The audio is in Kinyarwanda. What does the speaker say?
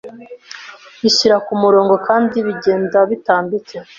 bishyira kumurongo kandi bigenda bitambitse